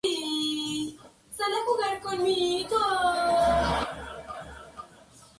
Luego regresaba a Patagones con productos provenientes de Buenos Aires.